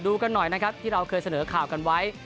กันหน่อยนะครับที่เราเคยเสนอข่าวกันไว้